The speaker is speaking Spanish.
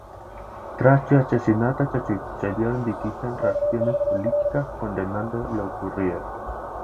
Tras su asesinato se sucedieron distintas reacciones políticas condenando lo ocurrido.